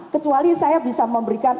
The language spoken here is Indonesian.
kecuali saya bisa memberikan